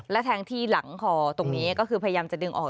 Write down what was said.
และแทงที่หลังคอตรงนี้ก็คือพยายามจะดึงออก